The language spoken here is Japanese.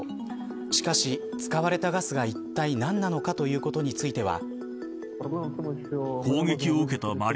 しかし、使われたガスがいったい何なのかということについては。